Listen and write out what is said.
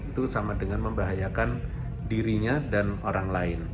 itu sama dengan membahayakan dirinya dan orang lain